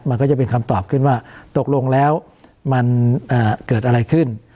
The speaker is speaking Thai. มันก็จะเป็นคำตอบขึ้นว่าตกลงแล้วมันเกิดอะไรขึ้น